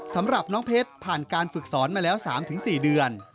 สำหรับน้องเพชรผ่านการฝึกศรมา๓ถึง๔เดือน